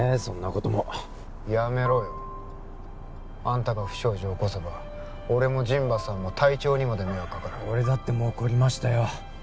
そんなこともやめろよあんたが不祥事起こせば俺も陣馬さんも隊長にまで迷惑かかる俺だってもう懲りましたよ